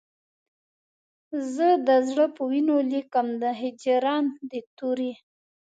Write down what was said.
زه د زړه په وینو لیکم د هجران د توري